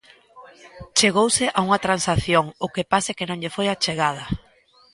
Chegouse a unha transacción, o que pasa é que non lle foi achegada.